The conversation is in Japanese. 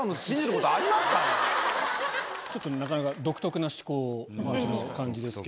ちょっとなかなか独特な思考をお持ちの感じですけれども。